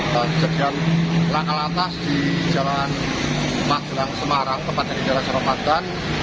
di jalan langkah atas di jalan magelang semarang tempatnya di desa soropadan